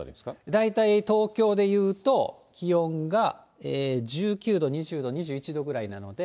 大体、東京でいうと、気温が１９度、２０度、２１度ぐらいなので。